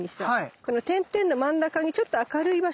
この点々の真ん中にちょっと明るい場所があるの分かる？